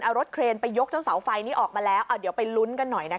เอารถเครนไปยกเจ้าเสาไฟนี้ออกมาแล้วเอาเดี๋ยวไปลุ้นกันหน่อยนะคะ